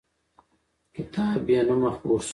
کتاب بېنومه خپور شو.